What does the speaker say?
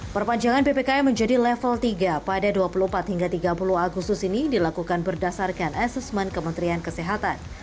perpanjangan ppkm menjadi level tiga pada dua puluh empat hingga tiga puluh agustus ini dilakukan berdasarkan asesmen kementerian kesehatan